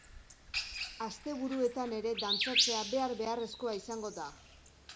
Asteburuetan ere dantzatzea behar-beharrezkoa izango da.